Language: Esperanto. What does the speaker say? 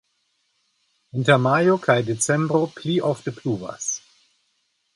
Inter majo kaj decembro pli ofte pluvas.